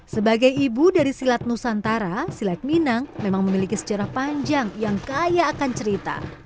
sebagai ibu dari silat nusantara silek minang memang memiliki sejarah panjang yang kaya akan cerita